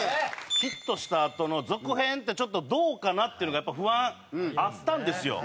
ヒットしたあとの続編ってちょっとどうかなっていうのがやっぱり不安あったんですよ。